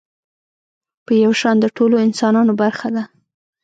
په يو شان د ټولو انسانانو برخه ده.